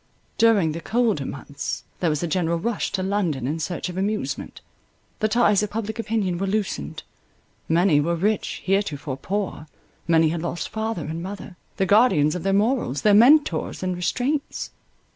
During the colder months there was a general rush to London in search of amusement—the ties of public opinion were loosened; many were rich, heretofore poor—many had lost father and mother, the guardians of their morals, their mentors and restraints.